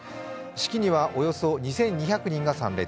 式にはおよそ２２００人が参列。